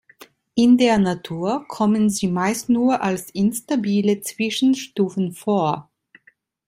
In der Natur kommen sie meist nur als instabile Zwischenstufen vor.